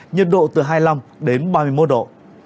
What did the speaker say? nhiệt độ từ hai mươi năm đến ba mươi một độ